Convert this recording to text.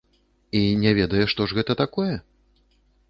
І не ведае, што ж гэта такое?